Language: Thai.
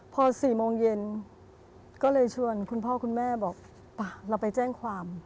พอ๔โมงเย็นก็เลยชวนคุณพ่อคุณแม่บอกป่ะเราไปแจ้งความ